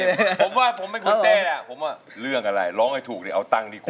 ผมว่าผมเป็นคนเต้แหละผมว่าเรื่องอะไรร้องให้ถูกเนี่ยเอาตังค์ดีกว่า